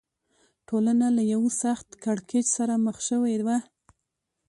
ټولنه له یوه سخت کړکېچ سره مخ شوې وه.